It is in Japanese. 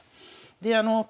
であの